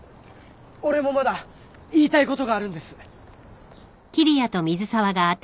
俺もまだ言いたいことがあるんです。